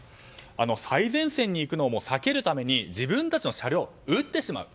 最前線に行くのを避けるために自分たちの車両を撃ってしまう。